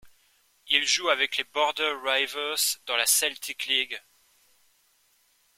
Il joue avec les Border Reivers dans la Celtic League.